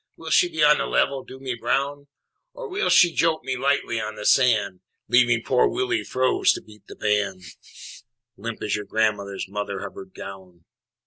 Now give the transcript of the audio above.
Will she be on the level, do me brown, Or will she jolt me lightly on the sand, Leaving poor Willie froze to beat the band, Limp as your grandma's Mother Hubbard gown?